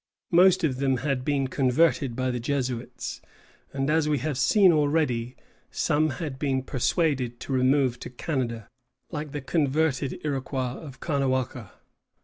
Most of them had been converted by the Jesuits, and, as we have seen already, some had been persuaded to remove to Canada, like the converted Iroquois of Caughnawaga.